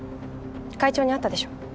会長に会ったでしょ？